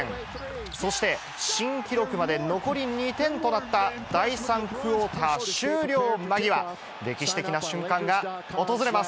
そして、新記録まで残り２点となった第３クオーター終了間際、歴史的な瞬間が訪れます。